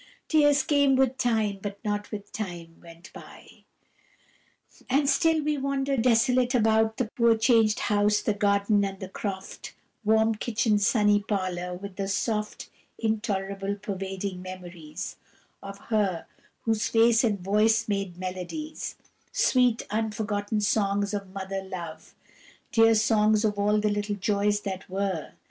Tears came with time but not with time went by. And still we wander desolate about The poor changed house, the garden and the croft, Warm kitchen, sunny parlour, with the soft Intolerable pervading memories Of her whose face and voice made melodies, Sweet unforgotten songs of mother love Dear songs of all the little joys that were.